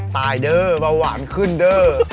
ตายเด้อมาหวานขึ้นเด้อ